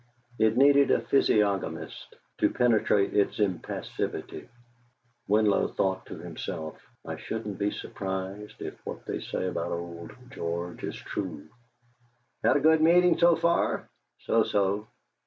It needed a physiognomist to penetrate its impassivity. Winlow thought to himself: '. shouldn't be surprised if what they say about old George is true.'... "Had a good meeting so far?" "So so."